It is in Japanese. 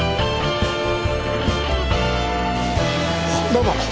どうも。